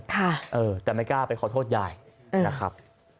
เออแต่ไม่กล้าไปขอโทษยายนะครับ